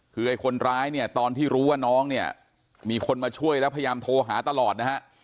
คือไอ้คนร้ายเนี่ยตอนที่รู้ว่าน้องเนี่ยมีคนมาช่วยแล้วพยายามโทรหาตลอดนะฮะ